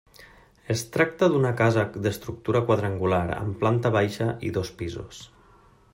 Es tracta d'una casa d'estructura quadrangular amb planta baixa i dos pisos.